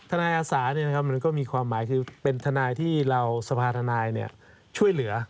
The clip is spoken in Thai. อาสามันก็มีความหมายคือเป็นทนายที่เราสภาธนายช่วยเหลือ